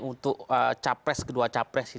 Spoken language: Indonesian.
untuk capres kedua capres